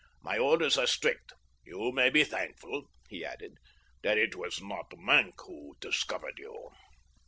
My orders are strict. You may be thankful," he added, "that it was not Maenck who discovered you."